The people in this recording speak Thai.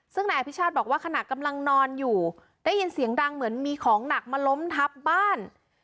ซึ่งนายอภิชาติบอกว่าขณะกำลังนอนอยู่ได้ยินเสียงดังเหมือนมีของหนักมาล้มทับบ้าน